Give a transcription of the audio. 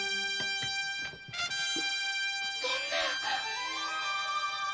そんな！